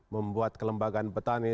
membuat kelembagaan petani